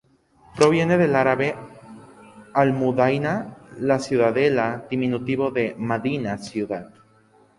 Proviene del árabe "al-mudayna", "la ciudadela", diminutivo de "madina", "ciudad".